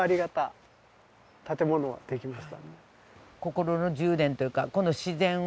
心の充電というかこの自然を。